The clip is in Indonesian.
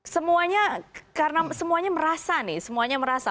semuanya karena semuanya merasa nih semuanya merasa